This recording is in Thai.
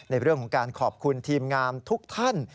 ในเรื่องของการขอบคุณทีมงานทุกท่าน